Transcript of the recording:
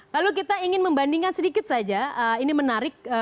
lalu kita ingin membandingkan sedikit saja ini menarik